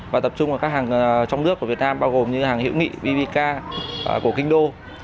và tập trung vào các hàng trong nước của việt nam bao gồm như hàng hữu nghị vpk của kinh đô